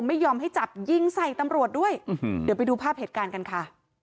ไม่ยอมให้จับยิงใส่ตำรวจด้วยเดี๋ยวไปดูภาพเหตุการณ์กันค่ะ